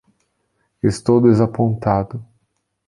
Estou desapontado.